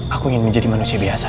aku ingin menjadi manusia biasa